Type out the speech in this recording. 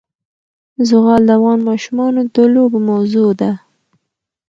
زغال د افغان ماشومانو د لوبو موضوع ده.